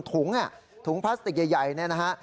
ถุงพลาสติกใหญ่นี่นะฮะ